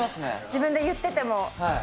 自分で言ってても？